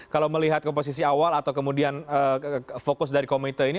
kalau melihat komposisi awal atau kemudian fokus dari komite ini